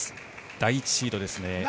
第１シードですね。